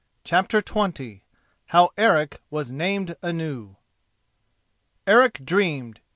CHAPTER XX HOW ERIC WAS NAMED ANEW Eric dreamed.